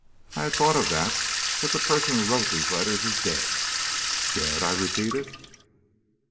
"I had thought of that, but the person who wrote these letters is dead." "Dead?" I repeated.